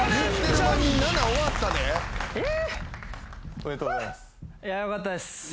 おめでとうございます。